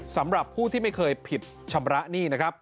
สำหรับผู้ที่ไม่เคยผิดชำระหนี้นะครับ